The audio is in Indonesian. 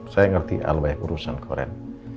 saya ngerti ada banyak urusan keren